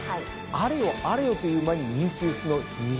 あれよあれよという間に人気薄の逃げ粘り。